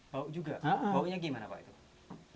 bau juga baunya gimana pak itu